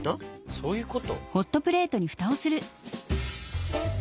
そういうこと？